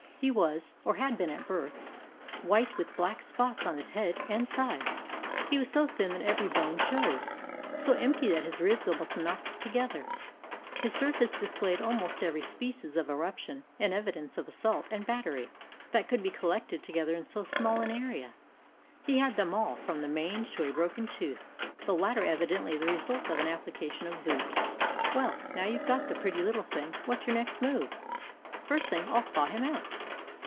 He was, or had been at birth, white, with black spots on his head and sides; he was so thin that every bone showed, so empty that his ribs almost knocked together; his surface displayed almost every species of eruption and evidence of assault and battery that could be collected together in so small an area — he had them all from the mange to a broken tooth, the latter evidently the result of application of boot. "Well, now you 've got the pretty little thing, what 's your next move?" "First thing, I 'll thaw him out."